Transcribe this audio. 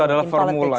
itu adalah formula